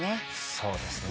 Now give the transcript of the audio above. そうですね